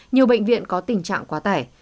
nhiều bệnh viện có tình trạng quá tải